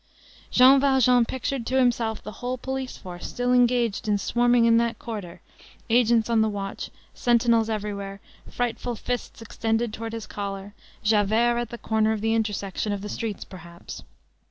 Jean Valjean pictured to himself the whole police force still engaged in swarming in that quarter, agents on the watch, sentinels everywhere, frightful fists extended towards his collar, Javert at the corner of the intersection of the streets perhaps.